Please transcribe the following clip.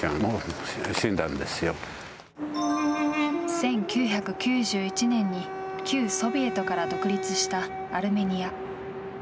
１９９１年に旧ソビエトから独立したアルメニア。